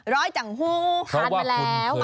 ร้อยจังหุ้งทานมาแล้ว